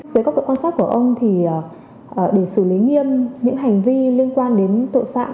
với góc độ quan sát của ông thì để xử lý nghiêm những hành vi liên quan đến tội phạm